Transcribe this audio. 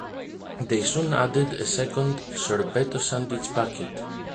They soon added a second, "Sorbetto Sandwich Packet".